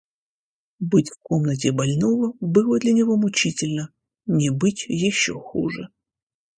Быть в комнате больного было для него мучительно, не быть еще хуже.